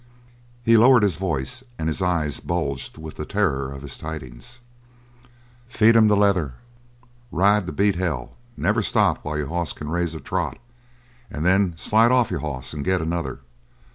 He lowered his voice and his eyes bulged with the terror of his tidings: "Feed him the leather; ride to beat hell; never stop while your hoss can raise a trot; and then slide off your hoss and get another.